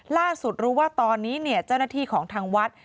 ล่าสุดรู้ว่าตอนนี้เจ้าหน้าที่ของทางวัด